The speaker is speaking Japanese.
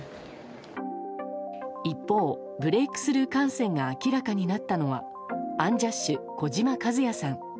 一方、ブレークスルー感染が明らかになったのはアンジャッシュ児嶋一哉さん。